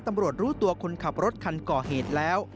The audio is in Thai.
รู้ตัวคนขับรถคันก่อเหตุแล้ว